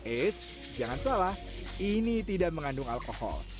eits jangan salah ini tidak mengandung alkohol